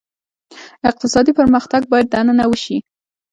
اقتصادي پرمختګ باید دننه وشي.